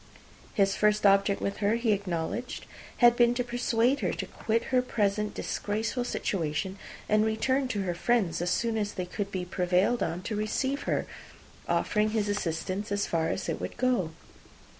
His first object with her, he acknowledged, had been to persuade her to quit her present disgraceful situation, and return to her friends as soon as they could be prevailed on to receive her, offering his assistance as far as it would go.